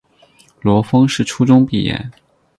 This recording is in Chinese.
罗烽是初中毕业。